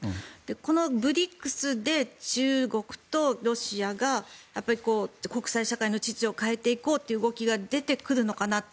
このＢＲＩＣＳで中国とロシアが国際社会の秩序を変えていこうという動きが出てくるのかなって。